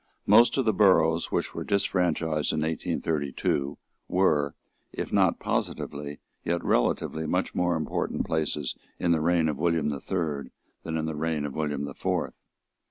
Most of the boroughs which were disfranchised in 1832 were, if not positively, yet relatively, much more important places in the reign of William the Third than in the reign of William the Fourth.